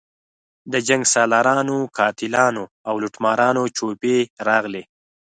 د جنګسالارانو، قاتلانو او لوټمارانو جوپې راغلي.